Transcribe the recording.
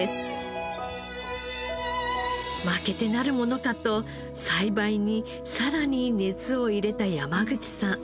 負けてなるものかと栽培にさらに熱を入れた山口さん。